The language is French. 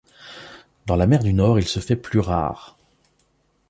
Dans la mer du Nord il se fait plus rare.